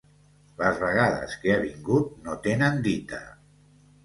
Les vegades que ha vingut no tenen dita.